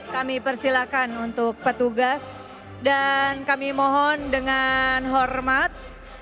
kami persilakan untuk petugas dan kami mohon dengan hormat